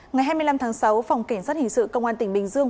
ngày hai mươi năm tháng sáu phòng cảnh sát hình sự công an tỉnh bình dương